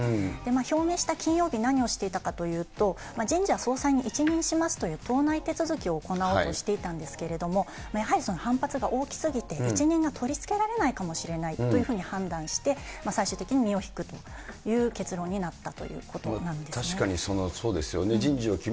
表明した金曜日、何をしていたかというと、人事は総裁に一任しますと、行おうとしていたんですけれども、やはり反発が大きすぎて一任が取り付けられないかもしれないと判断して、最終的に身を引くという結論になったということなんですね。